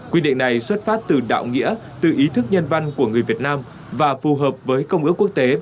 quy định này xuất hiện trong bộ y tế